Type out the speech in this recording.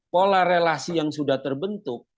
pola relasi yang sudah terbentuk